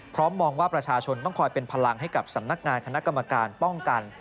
มองว่าประชาชนต้องคอยเป็นพลังให้กับสำนักงานคณะกรรมการป้องกัน